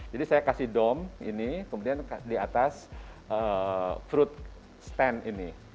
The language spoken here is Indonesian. jadi saya kasih dom ini kemudian di atas fruit stand ini